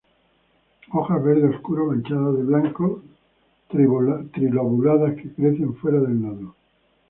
Hojas verde oscuro manchadas de blanco y tri-lobuladas que crecen fuera del nodo.